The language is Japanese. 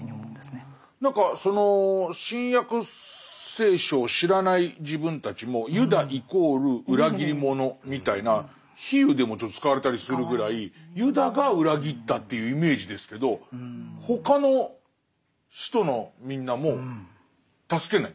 何かその「新約聖書」を知らない自分たちもユダイコール裏切り者みたいな比喩でもちょっと使われたりするぐらいユダが裏切ったというイメージですけど他の使徒のみんなも助けない？